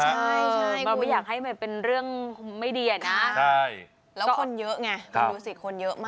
ใช่ก็ไม่อยากให้มันเป็นเรื่องไม่ดีอะนะแล้วคนเยอะไงคุณดูสิคนเยอะมาก